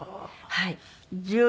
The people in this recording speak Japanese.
はい。